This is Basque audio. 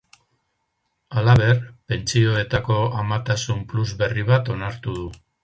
Halaber, pentsioetako amatasun plus berri bat onartu du.